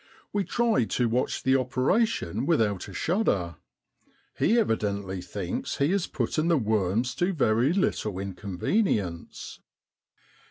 We try to watch the operation without a shudder: he evidently thinks he is putting the worms to very little inconvenience.